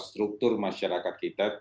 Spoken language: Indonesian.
struktur masyarakat kita